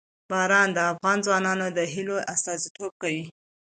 باران د افغان ځوانانو د هیلو استازیتوب کوي.